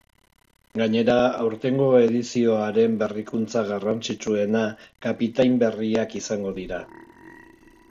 Gainera, aurtengo edizioaren berrikuntza garrantzitsuena kapitain berriak izango dira.